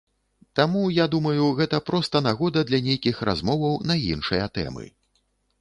Таму, я думаю, гэта проста нагода для нейкіх размоваў на іншыя тэмы.